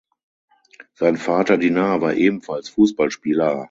Sein Vater Dinar war ebenfalls Fußballspieler.